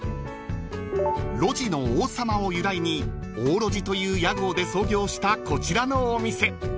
［路地の王様を由来に王ろじという屋号で創業したこちらのお店］